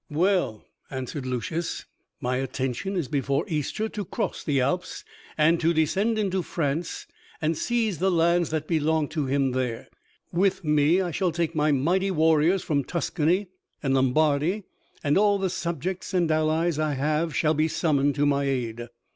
"Well," answered Lucius, "my intention is before Easter to cross the Alps and to descend into France and seize the lands that belong to him there. With me I shall take my mighty warriors from Tuscany and Lombardy, and all the subjects and allies I have shall be summoned to my aid."